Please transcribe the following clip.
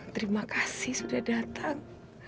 terima kasih sudah datang